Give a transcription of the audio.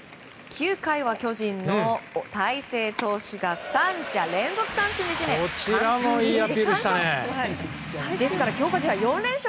９回は巨人の大勢投手が３者連続三振で締め完封リレーで完勝！